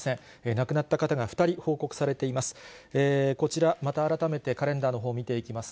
亡くなった方が２人、報告されています。